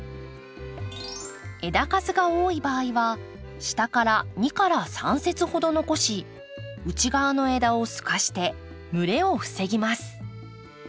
枝数が多い場合は下から２３節ほど残し内側の枝を透かして蒸れを防ぎます。